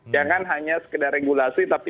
jangan hanya sekedar regulasi tapi